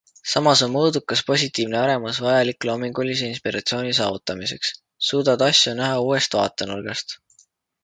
Samas on mõõdukas positiivne ärevus vajalik loomingulise inspiratsiooni saavutamiseks - suudad asju näha uuest vaatenurgast.